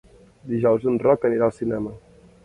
Dijous en Roc anirà al cinema.